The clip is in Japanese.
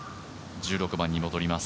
１６番に戻ります。